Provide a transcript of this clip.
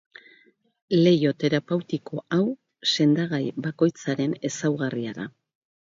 Leiho terapeutiko hau sendagai bakoitzaren ezaugarria da.